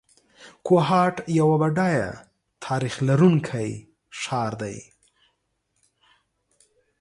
کوهاټ یو بډایه تاریخ لرونکی ښار دی.